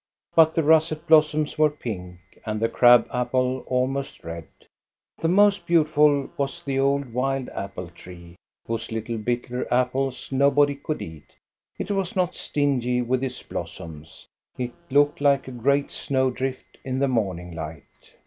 But the russet blossoms were pink, and the crab apple almost red. The most beautiful was the old wild apple tree, whose little, bitter apples nobody could eat. It was not stingy with its blossoms; it looked like a great snow drift in the morning light.